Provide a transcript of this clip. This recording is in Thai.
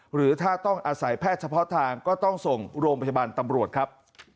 หรือถ้าต้องอาศัยแพทย์เฉพาะทางก็ต้องส่งโรงพยาบาลตำรวจครับ